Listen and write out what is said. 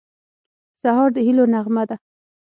سهار د هیلو نغمه ده.